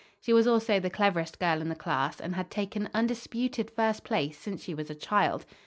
She was also the cleverest girl in the class, and had taken undisputed first place since she was a child.